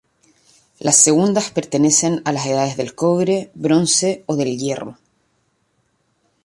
Las segundas pertenecen a las edades del cobre, bronce o del hierro.